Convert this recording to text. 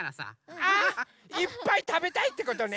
あいっぱいたべたいってことね。